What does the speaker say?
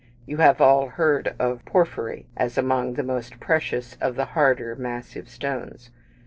You have all heard of "porphyry" as among the most precious of the harder massive stones.